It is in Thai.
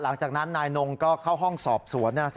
หลังจากนั้นนายนงก็เข้าห้องสอบสวน